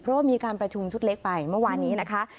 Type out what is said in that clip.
เพราะว่ามีการประชุมชุดเล็กไปเมื่อวานนี้นะคะ